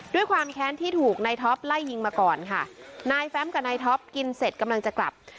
ด้วยความแค้นที่ถูกนายท็อปไล่ยิงมาก่อนค่ะนายแฟมกับนายท็อปกินเสร็จกำลังจะกลับ